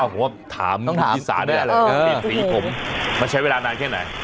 ผมถามพี่สานะเป็นสีผมมันใช้เวลานานแค่ไหน